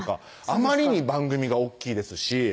あまりに番組が大っきいですし